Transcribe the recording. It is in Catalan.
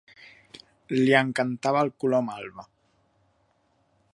Li encantava el color malva.